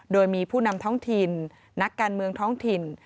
โดยมีผู้นำท้องถิ่นนักการเมืองท้องถิ่น